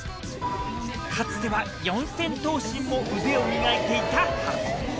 かつては四千頭身も腕を磨いていたハコ。